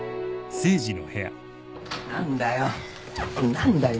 何だよ。